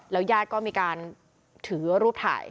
แล้วยาดก็เอามีการถือรูปถ่าย